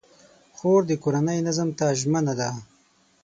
خور د کورنۍ نظم ته ژمنه ده.